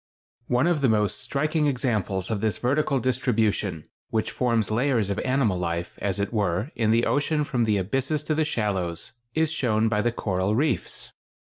] One of the most striking examples of this vertical distribution, which forms layers of animal life, as it were, in the ocean from the abysses to the shallows, is shown by the coral reefs.